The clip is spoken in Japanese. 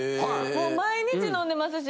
もう毎日飲んでますし。